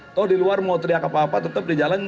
atau di luar mau teriak apa apa tetap di jalan